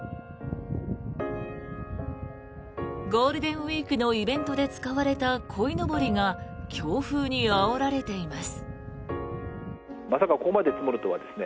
ゴールデンウィークのイベントで使われたこいのぼりが強風にあおられています。